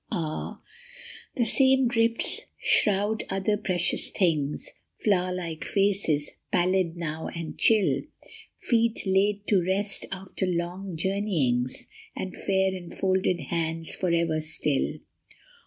Ah ! the same drifts shroud other precious things, Flower like faces, pallid now and chill, Feet laid to rest after long journeyings, And fair and folded hands forever still.